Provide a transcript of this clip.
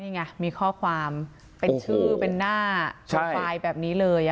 นี่ไงมีข้อคอร์หวามเป็นชื่อเป็นหน้าแบบนี้เลย